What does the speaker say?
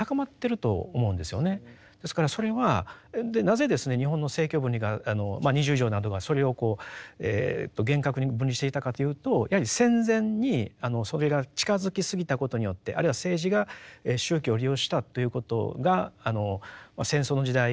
ですからそれはなぜですね日本の政教分離がまあ二十条などがそれを厳格に分離していたかというとやはり戦前にそれが近づき過ぎたことによってあるいは政治が宗教を利用したということが戦争の時代とですね